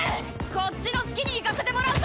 こっちの好きに行かせてもらうぜ！